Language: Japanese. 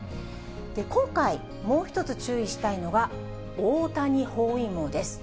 今回、もう一つ注意したいのが、大谷包囲網です。